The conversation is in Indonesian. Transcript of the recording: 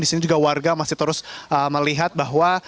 di sini juga warga masih terus melihat bahwa